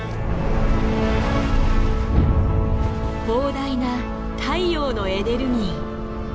膨大な太陽のエネルギー。